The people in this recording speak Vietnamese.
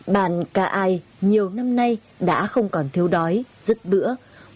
bản k i nhiều năm nay đã không còn thiếu đói giấc bữa